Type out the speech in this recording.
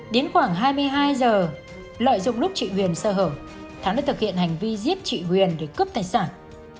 đến khoảng hai mươi hai h lợi dụng lúc trị quyền sơ hở thắng đã thực hiện hành vi giết trị quyền để cướp tài sản